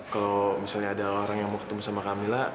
kalau misalnya ada orang yang mau ketemu sama camilla